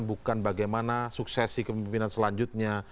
bukan bagaimana suksesi kemimpinan selanjutnya